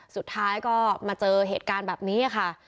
สุดท้ายก็มาเจอเหตุการณ์แบบนี้ค่ะ